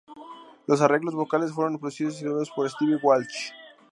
Los arreglos vocales fueron producidos y grabados por Steve Walsh.